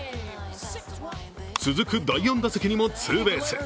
続く第４打席にもツーベース。